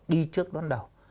đi trước đón đầu